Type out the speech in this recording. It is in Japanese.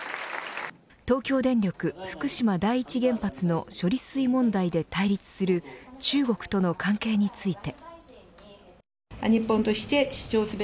東京電力福島第一原発の処理水問題で対立する中国との関係について。